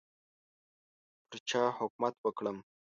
پر چا حکومت وکړم.